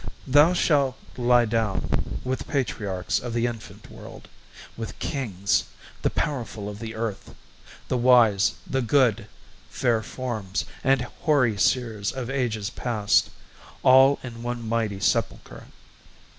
Thou shalt lie down With patriarchs of the infant world with kings, The powerful of the earth the wise, the good, Fair forms, and hoary seers of ages past, All in one mighty sepulchre.